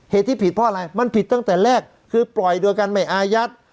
เหตุที่ผิดเพราะอะไรมันผิดตั้งแต่แรกคือปล่อยโดยการไม่อายัด